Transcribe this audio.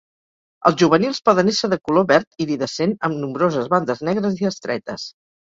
Els juvenils poden ésser de color verd iridescent amb nombroses bandes negres i estretes.